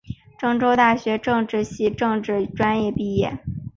郑州大学政治系政治专业毕业。